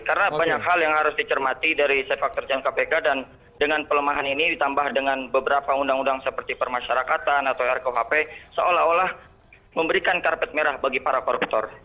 karena banyak hal yang harus dicermati dari set faktor jan kpk dan dengan pelemahan ini ditambah dengan beberapa undang undang seperti permasyarakatan atau rkhp seolah olah memberikan karpet merah bagi para koruptor